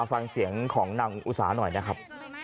ฟังเสียงของนางอุสาหน่อยนะครับ